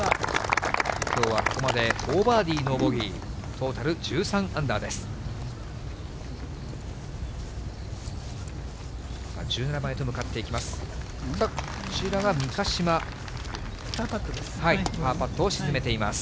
きょうはここまで、４バーディーのノーボギー、トータル１３アンダーです。